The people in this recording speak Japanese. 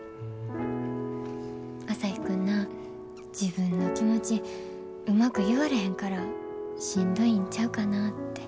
朝陽君な自分の気持ちうまく言われへんからしんどいんちゃうかなって。